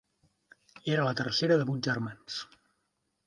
Era la tercera de vuit germans.